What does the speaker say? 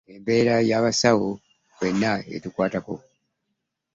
Embeera y'abasawo ffena etukwatako.